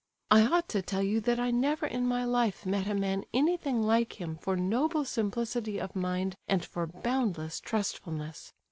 I ought to tell you that I never in my life met a man anything like him for noble simplicity of mind and for boundless trustfulness.